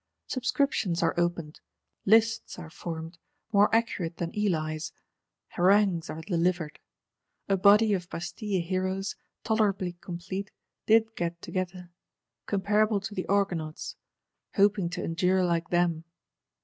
Subscriptions are opened; Lists are formed, more accurate than Elie's; harangues are delivered. A Body of Bastille Heroes, tolerably complete, did get together;—comparable to the Argonauts; hoping to endure like them.